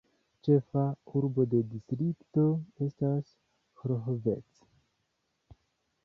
Ĉefa urbo de distrikto estas Hlohovec.